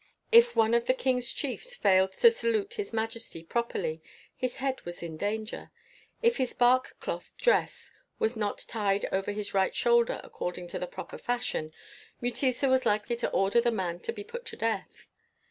If one of the king's chiefs failed to salute his majesty properly, his head was in danger. If his bark cloth dress was not tied over his right shoulder according to the proper fashion, Mutesa was likely to order the man to be put to death.